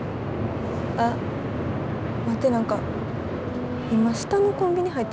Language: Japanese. あっ待って何か今下のコンビニ入ってった人